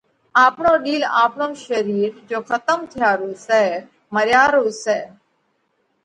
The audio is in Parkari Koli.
آپڻو ڏِيل آپڻو شرير جيو کتم ٿيا رو سئہ۔ مريا رو سئہ۔